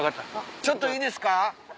ちょっといいですか？